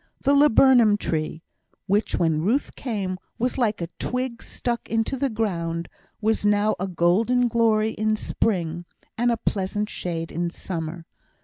The laburnum tree, which when Ruth came was like a twig stuck into the ground, was now a golden glory in spring, and a pleasant shade in summer.